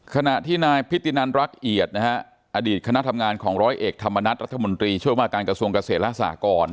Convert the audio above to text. ขณะที่นายพิธีนันรักเอียดนะฮะอดีตคณะทำงานของร้อยเอกธรรมนัฐรัฐมนตรีช่วยว่าการกระทรวงเกษตรและสหกร